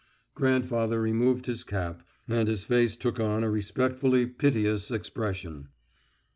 Grandfather removed his cap, and his face took on a respectfully piteous expression.